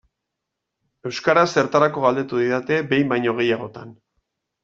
Euskara zertarako galdetu didate behin baino gehiagotan.